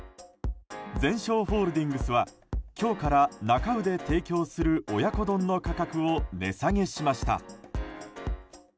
ゼンショーホールディングスは今日からなか卯で提供する親子丼の価格を値下げしました。